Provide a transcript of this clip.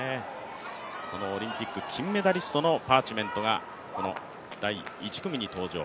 オリンピック金メダリストのパーチメントが第１組に登場。